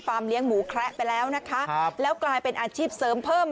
เลี้ยงหมูแคระไปแล้วนะคะครับแล้วกลายเป็นอาชีพเสริมเพิ่ม